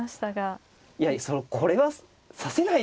いやこれは指せないですよ。